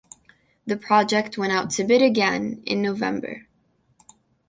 The project went out to bid again in November.